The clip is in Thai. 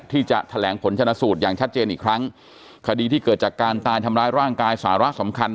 ที่จะแถลงผลชนะสูตรอย่างชัดเจนอีกครั้งคดีที่เกิดจากการตายทำร้ายร่างกายสาระสำคัญ